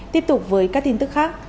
tiếp tục với các tin tức khác